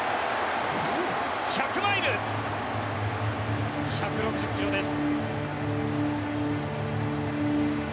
１００マイル１６０キロです。